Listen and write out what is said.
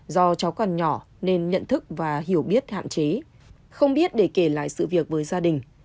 do cháu còn nhỏ nên nhận thức và hiểu biết hạn chế không biết để kể lại sự việc với gia đình